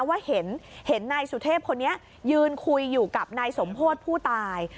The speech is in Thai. ว่าเห็นนายสุเทพคนนี้ยืนคุยอยู่กับนายสมโพธิผู้ตาย